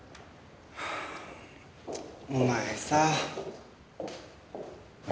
お前さ。